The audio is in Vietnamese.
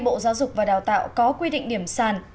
bộ giáo dục và đào tạo có quy định điểm sàn